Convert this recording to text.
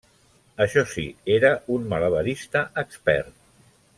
Això sí, era un malabarista expert.